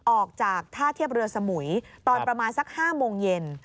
ออกจากท่าเทียบเรือสมุยตอนประมาณสัก๕โมงเย็น